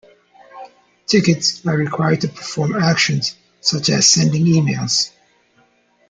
Tickets are required to perform actions, such as sending emails.